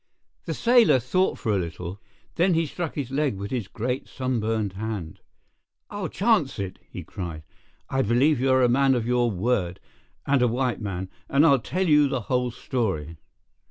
The sailor thought for a little. Then he struck his leg with his great sunburned hand. "I'll chance it," he cried. "I believe you are a man of your word, and a white man, and I'll tell you the whole story.